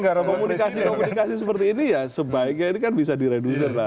karena komunikasi komunikasi seperti ini ya sebaiknya ini kan bisa direduser lah